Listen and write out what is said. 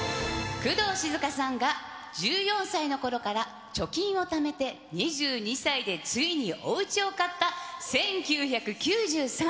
工藤静香さんが１４歳のころから貯金をためて２２歳でついにおうちを買った１９９３年。